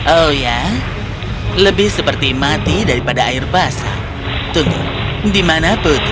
oh ya lebih seperti mati daripada air basah tunggu dimana putih